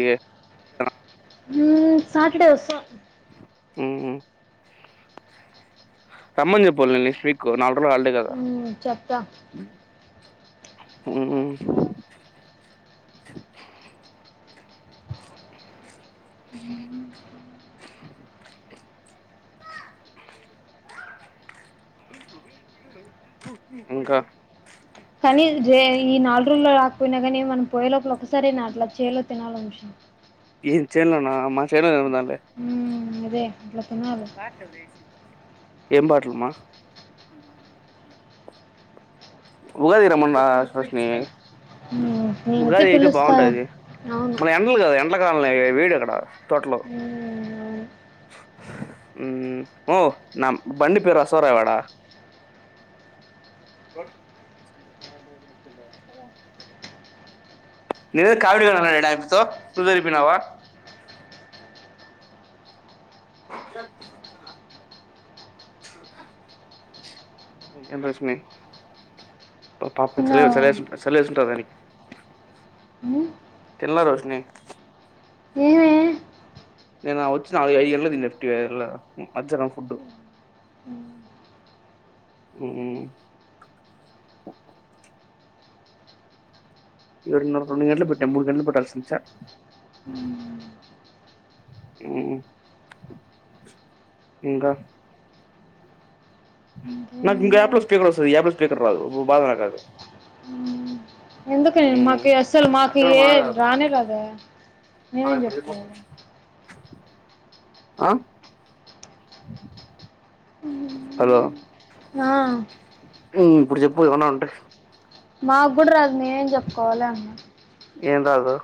ఏ ఉ సాటర్డే వసా ఉ రమ్మని చెప్పు వోళ్ళని పీకో నాలుగు రోజులు హాలిడే చెప్పా హు [inaudible] [inaudible] ఇంకా కానీ ఈ నాలుగు రోజుల్లో రాకపోయినా కానీ మనం పోయే లోపల ఒకసారేనా అట్లా చేలో తినాలి అనిపించింది ఏంది చేన్లోన మా చేన్లో ఉహు అదే అట్లా తినాలి బాటూలు వదిలేసింది ఏం పాటలుమా ఉగాది రమ్మన్న [inaudible] నేనైతే ఉగాది అయితే పిలుస్తా అవును ఎట్ల కాల వేడి అక్కడ హు హు ఓ నా బండి పేరు రాస్తావా రాయవాడ [inaudible] నేను ఏదో కామెడీగా అన్నాడాపితో నువ్వు వెళ్లి పోయినావు ఏం రష్మి ప పాప పిచ్చి తిన్నావా లేస్తుంది [inaudible] చలి వేసుంటాదా నీకు మ్మ్, తిన్న రోషిని ఏమే నేను వచ్చి నాలుగు ఐదు గంటలకు తిన్న లైట్ గా మధ్యాహ్నం ఫుడ్ ఊ ఏడున్నరకు రెడు గంటలు పెట్టా మూడు గంటలు పెట్టాల్సింది చా హు ఇంకా నాకు ఇంకేముంది? ఇంకో అప్ లో స్పీకర్ వస్తది ఈ అప్ లో స్పీకర్ రాదు బాధదు ఎందుకె మాకు అస్సలు మాకు ఏ మాట్లాడు రానే రాదు ఆ మేమేం ఇప్పుడు చెప్పు చెపుతాము ఆ హలో ఆ హు ఇప్పుడు చెప్పు ఏమన్నా ఉంటే మా కూడా రాదు మేము ఏం చెప్పుకోవాలి అన్నా ఏం రాదు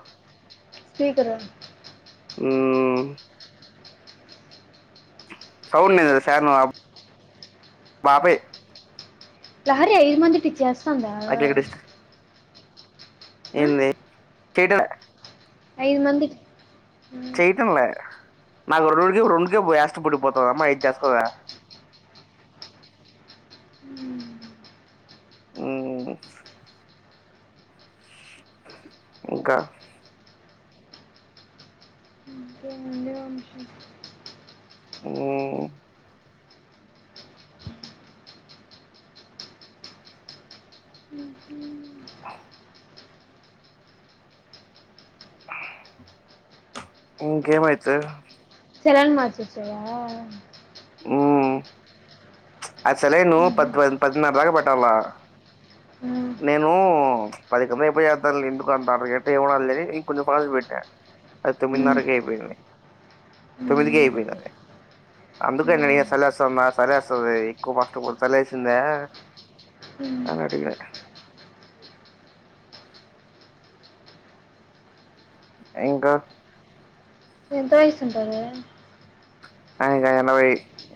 స్పీకరు ఉ సౌంన్నేదె సార్నవ, బాపే లహరి ఐదు మందిటి చ్చేస్ స్సందా ఎంది కేటలే ఐదు మందికి చేయటంలె నాకు రోజు రొంజు ఏష్టపడిపోత అమ్మాయ్ ఐద్ చేస్దద ఉహ్ ఇంకా ఓ ఉ గేమైతే సెలన్ మాచ్చొచ్చయ ఆ సెలైను పద్ద్వన్ పదిన్నర దాగ ప ట్టవ, నేను ప్చ్ పది కంద అయిపోయోద్దంలె ఎందుకు అంత అర్థగంట ఎవ్వున్నదిలెని ఇంకొంజం పాజ్ పెట్ట్న, అది తొమ్మిదిన్నరకి అయిపోయింని, తొమ్మిదికె అయిపోయిందది, అందుకె నెయ సలేేస్సన్న సరే అస్సఏ ఎక్కువ బట్టపో చలేసిందా, అన్నటికి ఇంకా ఎంతవయసుంటాది. ఆయన్క ఎనవై,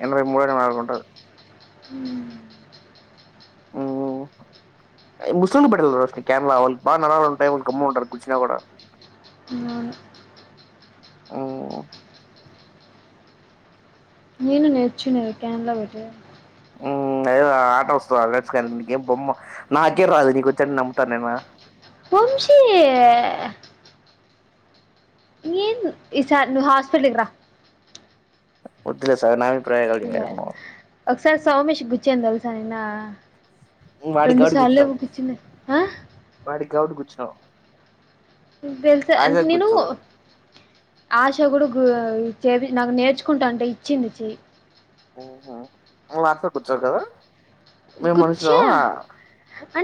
ఎనవై మూల్గనాల్గుంట ఉ, అయ్ ముసుల్లు [unintelligible] స్కాంమ్ల వాళ్ళు బాగా నరాలు ఉంటాయ్, వాళ్ళు గమ్ము ఉంటారు గుచ్చిన కూడా, అవును. ఉ నేను నేచ్చున్న కేమ్లా పెట్టెది. ఉ అదేదో ఆట వస్తద అ విలేజ్ స్కన్ గేం బొమ్మ నాకే రాదు నీకొచ్చన్ నమ్ముత్త నేనా వంశీ ఇసార్ నువ్ హాస్పిటల్కిరా వద్దిలే సామి నా ప్రయోగల్ చేయకు మో సార్ సౌమేష్ గుచ్చేన్ థెల్సా నిన్న వాడికి రెండు కాబట్టి కూర్చున్నాం సాల్లేమో గుచ్చిన ఆ వాడికి గావట్టి గుచ్చ్నవ్. నీ థెల్సా అంటె నేను ఆశ కూడా గు చ్చేది నాకు నేర్చుకుంటాంటే ఇచ్చింది చి ఉ హా నువ్ అస్సర్ గుచ్చవ్ కదా మేము మనుషులమా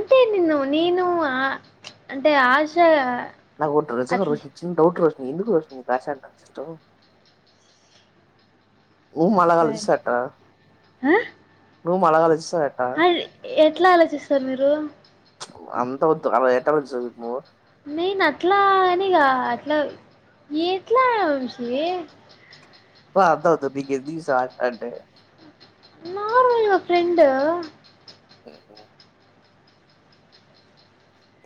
ంటే నిన్ను నేను ఆ అంటే ఆశ నాక్ ఓ డ్రెస్సు అట్లా [unintelligible] డౌట్ర ఎందుకు వర్షిని కాసాక అంతిష్టవ్. ఉ సారీ మలాగాలుస్స్ అట్ట ఆ రూమ్ మల్లగాలి స్స్ అట్ట ఎట్ల ఆలోచిస్సరు మీరు చ్ అంత వద్దు ఆమె ఏ కలర్ జవుత్నావు. నేనట్లా అనిగ అట్ల, ఎట్లా వంశీ ప [unintelligible] అధవుతుది నీకెందుకు సార్ అంటే నార్మల్ గా ఫ్రెండ్ అ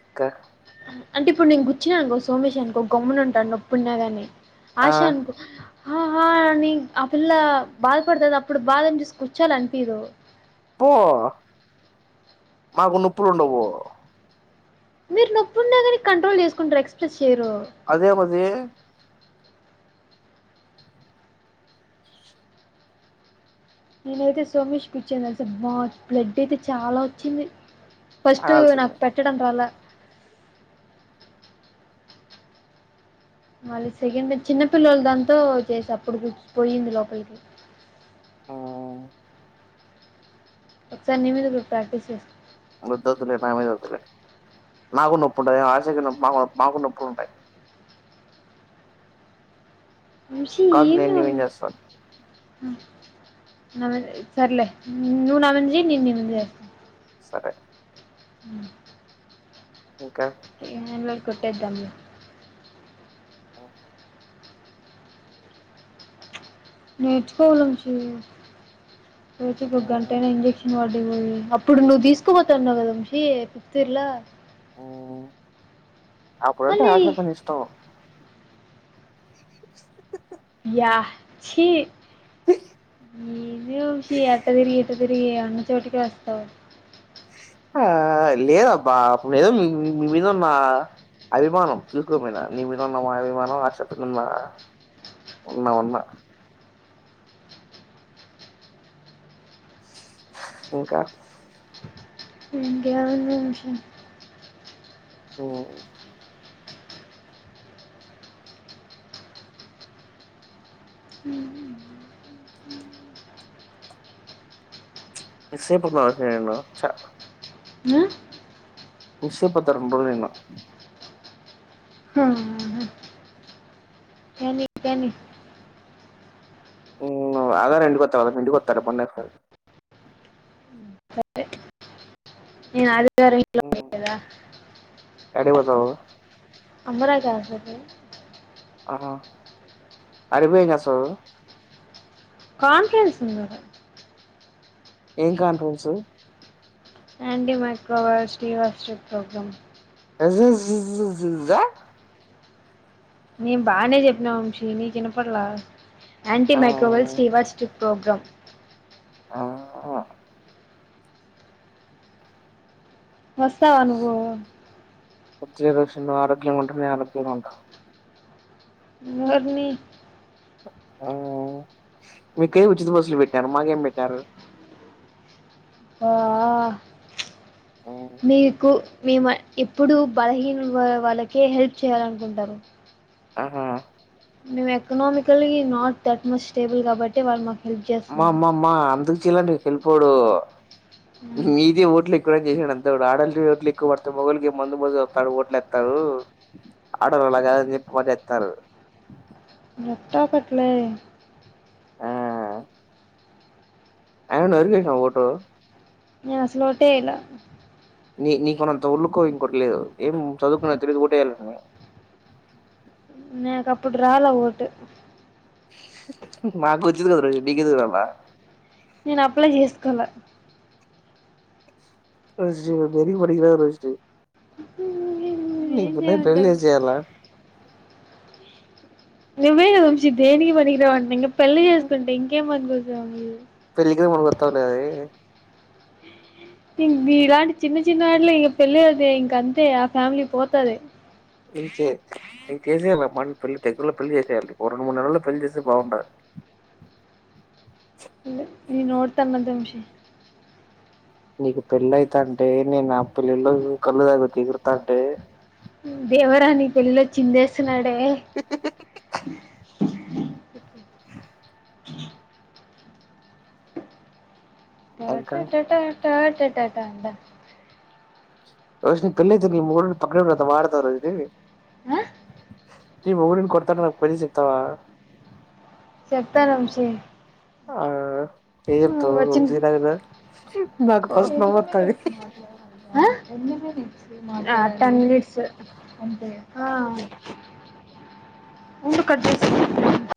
ఇంకా అంటే ఇప్పుడు నేను గుచ్చినానుకో సోమేష్ అనుకో గమ్మునుంటాన్ నొప్పున్నా కాని ఆ ఆశ అన్ కో ఆహా అ నీ ఆ పిల్ల బాధపడతది అప్పుడు బాధని చూసి కూర్చోవాలి అనిపీదు పో మాకు నొప్పులు ఉండవు మీరు నొప్పు ఉన్న కానీ కంట్రోల్ చేసుకుంటారు ఎక్ష్ప్రెస్స్ అదే మది నేనైతే సోమేష్ కి గుచ్చానసలు బా బ్లడ్ అయితే చాలా వచ్చింది ఫస్ట్ నాకు తాగాల్సిందే పెట్టడం రాల మళ్ళీ సెకండ్ చిన్నపిల్లలు దాంతో చేసా అప్పుడు గు పోయింది లోపలికి ఒకసారి నీ మీద కూడా ప్రాక్టీస్ చేస్తా వద్దు వద్దులే నా మీద వద్దులే నాకు నొప్పుంటాయి ఆశకి మా మాకు నొప్పులుంటాయి వంశీ కాబట్టి నేను ఏమి వ నువ్వేం చేస్తాను నా మీద సర్లే నువ్వు నా మీద జై నేను నీ మీద చేస్తా సరే ఉ ఇంకా ఏం లే కొట్టేద్దాం లే ఓ [unintelligible] నేర్చుకోవలి వంశీ రోజుకి ఒక గంటైనా ఇంజెక్షన్ వా హమ్ అప్పుడు నువ్వు తీసుకుపోతాన్నావు కదా వంశీ ఫిఫ్త్ ఇయర్లో హ్మ్. అప్పుడంటే మళ్ళీ ఆశ పని ఇష్టం యా చి ఏంది వంశీ అట్ట తిరిగి ఇట్ట తి మీరి ఎ అన్న చోటికి వస్తావు ఆహ్ లేదబ్బ అప్పుడు ఏదో మీ మీద ఉన్న అభిమానం తీసుకోపోయినా నీ మీద ఉన్న అభిమానం ఆ [unintelligible] చెప్ప ఉన్న ఉన్నా ఉన్నా ఇంకా ఇంకేం ఉంది వంశీ హ్ మిస్సై పోతున్న హే నేను చా ఆహ్ మిస్ అయిపోతారు మళ్ళీ నూ ఆ, నీ కానీ హ్మ ఆదివారం ఇంటికొచాలే రేప్ మీ ఇంటికి యోత్తాలే బండి ఎస్కొనీ. సరే నేను ఆదివారం ఇంట్లోనే హ్మ్. గదా యాడికి పోతావు? అమ్మరాయ్ కాసెట్ ఆహా ఆడికి పోయి ఏం చేస్తావూ. కాన్ఫిడెన్స్ ఉండదు. ఏం కాన్ఫరెన్స్సు యాంటిమైక్రోవైబ్స్ కి వర్క్షాప్ ప్రోగ్రామ్ [unintelligible] నేన్ బానే చెప్పినా వంశీ నీకు ఇనపడ్లలా. యాంటీ ఆ! మైక్రోవెల్స్ టీవాచ్ ట్రిప్ ప్రోగ్రామ్. ఆహ్ ఆహా వస్తావా నువ్వూ. వొద్దులే రోషిని నువు ఆరోగ్యంగ ఉంటె నేన్ ఆరోగ్యంగా ఉంటా. ఓర్నీ ఆ మీకైతే ఉచిత బస్సులు పెట్టారు మాకేం పెట్టారూ. ఆహ్ ప్చ్ మీకు మేము ఇప్పుడూ బలహీనులు వాళ్ళకే హెల్ప్ చేయ్యాలనుకుంటారు. ఆహా మేము ఎకనామికల్లీ నాట్ థట్మచ్ స్టేబుల్ కాబట్టే వాళ్ళ్ మాక్ అమ్మమ్మమ్మా అందు చ్చిన్లండీ పెల్పోడూ మీదీ ఓట్లే ఇప్పటివరకు చేసినాడు అంతే వాడు ఆదిళ్లకీ ఓట్లు ఎక్కువ పడతయి, మగోళకి ఏం మందు పోతే వత్తారూ ఓట్లేత్తారూ. ఆడోలు అలా కాదని చెప్పి ఒట్టేత్తారు. ఎట్టో ఒకట్లే. ఆ అయినా నువు ఎవరికి వేస్నావ్ ఓటూ. నేన్ అసలు ఓటే ఎయ్యలా. నీ నీకున్నంత ఒళ్లుకోవూ ఇంకోరికీ లేదు. ఏం చదువుకున్నవ్ తెలీదు ఓట్ ఎయ్యాలనీ. నా కప్పుడు రాలా ఓటు. మాకు వచ్చింది కదా మరి నీకు ఎందుకు రాలా. నేను అప్లై చేసుకోల వేస్టు నువ్వు దేనికి పనికి రావు వేస్టు. ఏం నీకు ముందే పెళ్లి చేయమంటావు చేసేయాలా. నువ్వే కదవంశీ దేనికి పనికిరావంటున్నవ్. ఇంకా పెళ్లి చేసుకుంటే ఇంకేమి పనికొస్తాను. పెళ్లికి ముహుర్తాలయీ. ఇంక ఇలాంటి చిన్న చిన్న వాటిలకి ఇగ పెళ్ళే అంటే. ఇంక అంతే ఆ ఫ్యామిలీ పోతది. నీచే నీక్ చేసేయాలి మల్ పెళ్ళి దగ్గరలో పెళ్ళి చేసేయాలి. ఓ రెండు మూడు నెలల్లో పెళ్ళి చేస్తే బాగుంటాది. ఇ నీనోటితో అన్నద్దు వంశీ. నీకు పెళ్ళైతాంటే నేన్ అప్ ఓ నెల రోజులు కల్లు తాగుతూ ఎగురుత తాటే దేవరాని పెళ్ళిలో చిందేస్తున్నాడు. అంటే టా ఇంకా టటా టా టాటటా డ రోషీని పెళ్ళితే నీ మొగుడిని పక్కకు వాడుతాదా ఇదీ అ నీ మొగాడుని కొడాతంటే నా పదిస్ ఇత్తవ చెప్తాన్ వంశీ ఆ ఏం వచ్చింది చెప్తావ్ నాకు ఓ. ఫస్ట్ నవ్వొత్తది ఆ? ఆ టన్ విడ్స్ ఆ ఉండు కట్ చేస్త